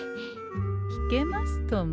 弾けますとも。